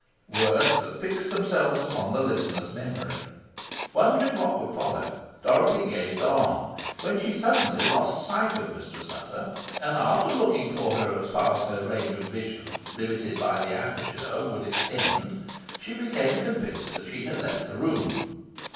words that fixed themselves upon the listener's memory. Wondering what would follow, Dorothy gazed on, when she suddenly lost sight of Mistress Nutter, and after looking for her as far as her range of vision, limited by the aperture, would extend, she became convinced that she had left the room.